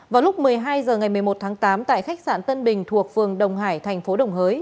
vào lúc một mươi hai h ngày một mươi một tháng tám tại khách sạn tân bình thuộc phường đồng hải thành phố đồng hới